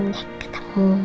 dan dia tidak peduli